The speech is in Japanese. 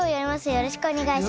よろしくお願いします。